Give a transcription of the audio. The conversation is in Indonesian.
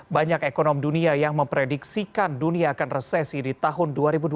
banyak ekonom dunia yang memprediksikan dunia akan resesi di tahun dua ribu dua puluh